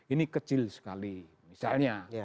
ini kecil sekali misalnya